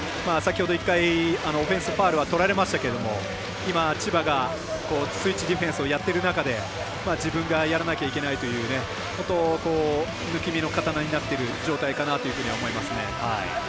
先ほど１回オフェンスファウルはとられましたけど今、千葉がスイッチディフェンスをやっている中で自分がやらなきゃいけないということを抜き身の刀になっている状態かなと思いますね。